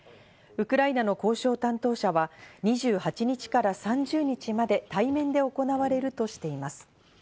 ウクライナの交渉担当者は２８日から３０日まで対面で行われるとしています。